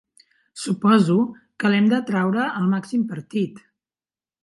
Suposo que l'hem de traure el màxim partit!